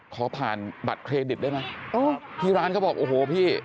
ขอผ่านบัตรเครดิตได้ไหมที่ร้านเขาบอกโอ้โหพี่